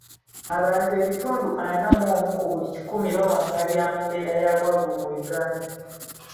Abantu ebitundu ana mu omu ku buli kikumi bawangaalira mu mbeera ya bwavu mu Uganda.